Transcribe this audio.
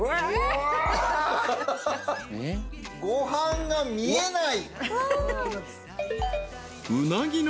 ご飯が見えない。